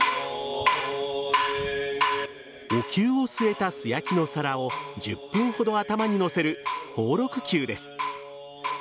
お灸を据えた素焼きの皿を１０分ほど頭に載せるほうろく灸です。